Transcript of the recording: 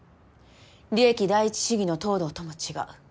利益第一主義の東堂とも違う。